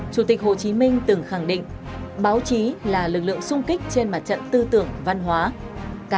chủ tịch hồ chí minh từng khẳng định báo chí là lực lượng sung kích trên mặt trận tư tưởng văn hóa